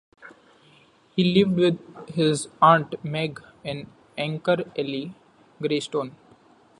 He lived with his Aunt Meg in Anchor Alley, Greystone.